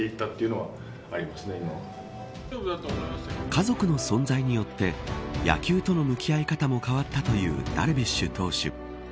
家族の存在によって野球との向き合い方も変わったというダルビッシュ投手。